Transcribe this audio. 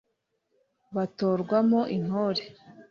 Batorwamo intore,